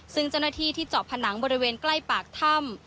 ซึ่งเจ้าหน้าที่ที่เจาะผนังบริเวณใกล้ปากถ้ำ